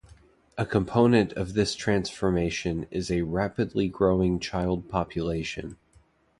A component of this transformation is a rapidly growing child population.